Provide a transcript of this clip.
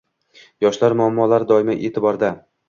Yoshlar muammolari doimo e’tibordang